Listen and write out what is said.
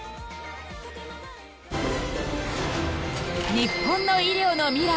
［日本の医療の未来。